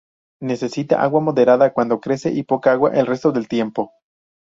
Necesita agua moderada cuando crece y poca agua el resto del tiempo.